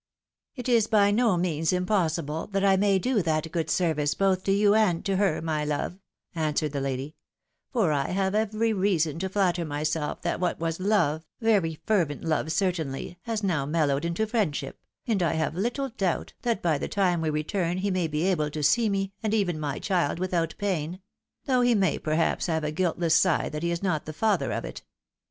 " It is by no means impossible that I may do that good service both to you and to her, my love," answered the lady ;" for I have every reason to flatter myself that what was love, very fervent love certainly, has now mellowed into friendship, and I have little doubt that by the time we return he may be able to see me, and even my child, without pain — ^though he may perhaps heave a guiltless sigh that he is not the father of it.